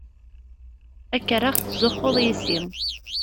Ad k-rreɣ tettzuxxuḍ yess-i.